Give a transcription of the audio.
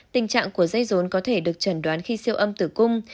tình trạng của dây rốn có thể được trần đoán khi siêu âm tử cung